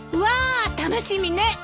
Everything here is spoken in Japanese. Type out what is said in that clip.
わ楽しみね！